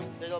eh bagi dong